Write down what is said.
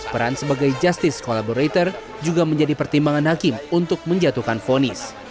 peran sebagai justice collaborator juga menjadi pertimbangan hakim untuk menjatuhkan fonis